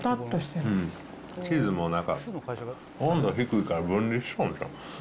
チーズもなんか、温度低いから分離しとんちゃう？